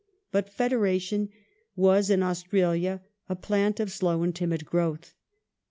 But Federation was, in Australia, a plant of slow and timid growth.